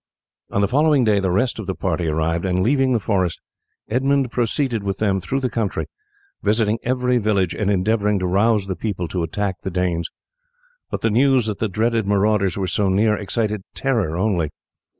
On the following day the rest of the party arrived, and leaving the forest Edmund proceeded with them through the country, visiting every village, and endeavouring to rouse the people to attack the Danes, but the news that the dreaded marauders were so near excited terror only.